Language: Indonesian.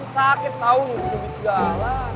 sakit tau dugit segala